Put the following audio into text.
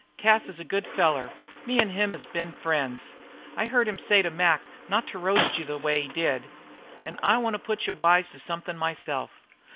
Cas is a good feller. Me an' him has been friends. I heard him say to Mac not to roast you the way he did. An' I wants to put you wise to somethin' myself.